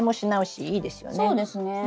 そうですね。